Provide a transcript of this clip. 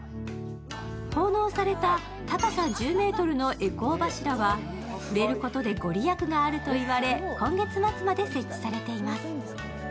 奉納された高さ１０ｍの回向柱は触れることでご利益があると言われ、今月末まで設置されています。